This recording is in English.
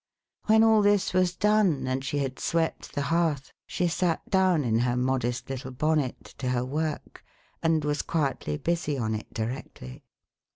When all this was done, and she had swept the hearth, she sat down, in her modest little bonnet, to her work, and was quietly busy on it directly.